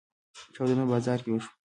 چاودنه په بازار کې وشوه.